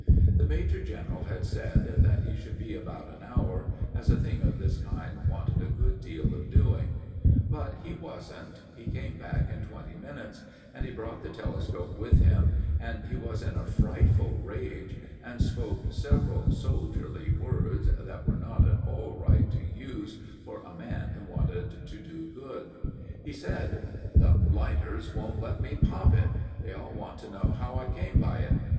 The major general had said that he should be about an hour, as a thing of this kind wanted a good deal of doing; but he wasn't: he came back in twenty minutes, and he brought the telescope with him, and he was in a frightful rage and spoke several soldierly words that were not at all right to use for a man who wanted to do good. Me said— "The blighters won't let me pop it! They all want to know how I came by it!